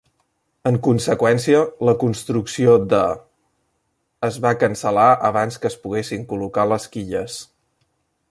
En conseqüència, la construcció de (?) es va cancel·lar abans que es poguessin col·locar les quilles.